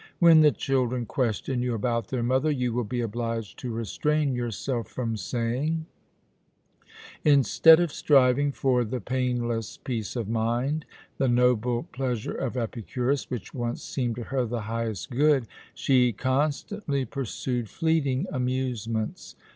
When the children question you about their mother, you will be obliged to restrain yourself from saying: 'Instead of striving for the painless peace of mind, the noble pleasure of Epicurus, which once seemed to her the highest good, she constantly pursued fleeting amusements.